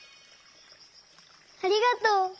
ありがとう！